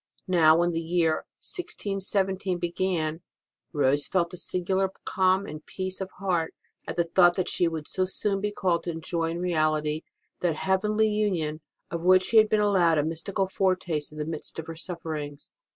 Now, when the year 1617 began, Rose felt a singular calm and peace of heart at the thought that she would so soon be called to enjoy in reality that heavenly union of which she had been allowed a mystical foretaste in the midst of her sufferings.